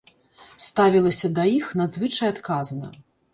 Ставілася да іх надзвычай адказна.